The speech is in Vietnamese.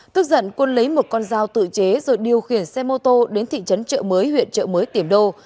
tức giận quân lấy một con dao tự chế rồi điều khiển xe mô tô đến thị trấn trợ mới huyện trợ mới tìm đô